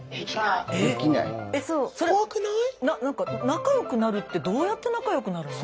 仲良くなるってどうやって仲良くなるの？